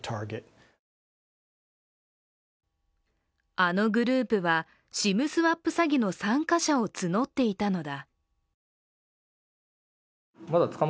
あのグループはＳＩＭスワップ詐欺の参加者を募っていたのだ。